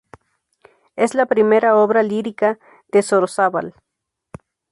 Es la primera obra lírica de Sorozábal.